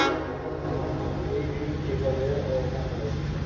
এই রিডিং ঠিক হলে, ও এখানে রয়েছে।